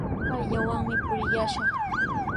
Payllawanmi purillashaq.